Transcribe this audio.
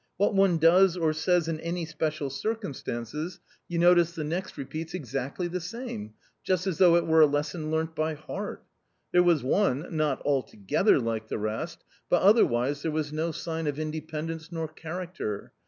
What one does or says in any special circumstances, A COMMON STORY 65 you notice the next repeats exactly the same, just as though it were a lesson learnt by heart. There was one — not altogether like the rest .... but otherwise there was no sign of independence nor character.